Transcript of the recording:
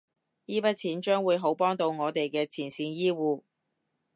依筆錢將會好幫到我哋嘅前線醫護